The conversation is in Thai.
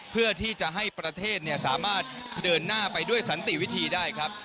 เพื่อที่จะให้ประเทศสามารถเดินหน้าไปด้วยสันติวิธีได้ครับ